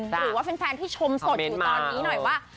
หรือว่าแฟนที่ชมสดอยู่ตอนนี้หน่อยว่า